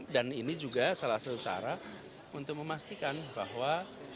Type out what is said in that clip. dan ini juga salah satu cara untuk memastikan bahwa